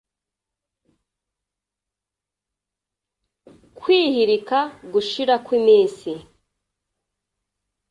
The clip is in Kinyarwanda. kwihirika gushira kw iminsi